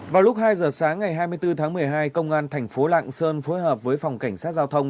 vào lúc hai giờ sáng ngày hai mươi bốn tháng một mươi hai công an thành phố lạng sơn phối hợp với phòng cảnh sát giao thông